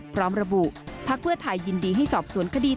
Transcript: พร้อมระบุพักเพื่อไทยยินดีให้สอบสวนคดี